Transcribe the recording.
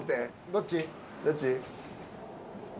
どっち？